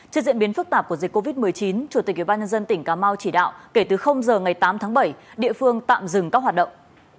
trên diễn biến phức tạp của dịch covid một mươi chín chủ tịch ubnd tỉnh cà mau chỉ đạo kể từ giờ ngày tám tháng bảy địa phương tạm dừng các hoạt động